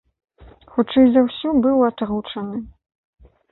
Хутчэй за ўсё, быў атручаны.